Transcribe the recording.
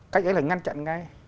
cách ấy là ngăn chặn ngay